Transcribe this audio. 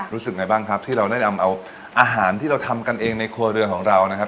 รู้สึกไงบ้างครับที่เราได้นำเอาอาหารที่เราทำกันเองในครัวเรือนของเรานะครับ